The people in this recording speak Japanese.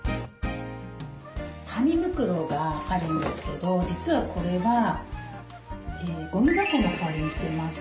紙袋があるんですけど実はこれはゴミ箱の代わりにしてます。